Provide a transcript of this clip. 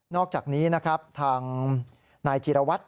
อกจากนี้นะครับทางนายจิรวัตร